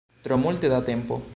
Tro multe da tempo.